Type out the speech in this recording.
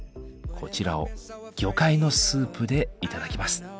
こちらを魚介のスープで頂きます。